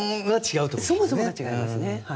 そもそもが違いますね。